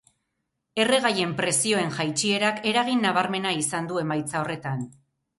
Erregaien prezioen jaitsierak eragin nabarmena izan du emaitza horretan.